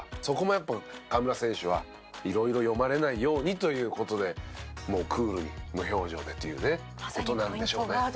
そこもやっぱり河村選手は色々読まれないようにという事でもうクールに無表情でという事なんでしょうね。